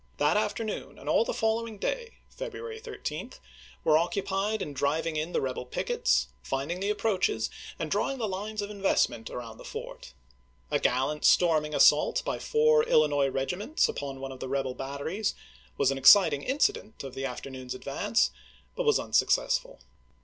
That chap. xi. afternoon and all the following day, February 13, 1862. were occupied in driving in the rebel pickets, find ing the approaches, and drawing the lines of invest ment around the fort. A gallant storming assault by four Illinois regiments upon one of the rebel batteries was an exciting incident of the after noon'e advance, but was unsuccessful.